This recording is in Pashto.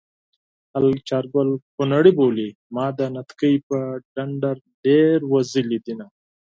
خلک چارګل خونړی بولي ما د نتکۍ په ډنډر ډېر وژلي دينه